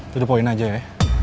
sudah poin aja ya